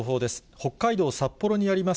北海道札幌にあります